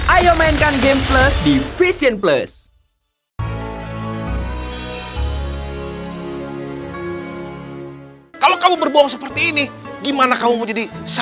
ayo mainkan game plus di vision plus